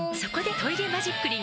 「トイレマジックリン」